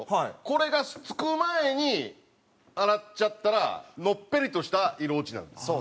これがつく前に洗っちゃったらのっぺりとした色落ちになる。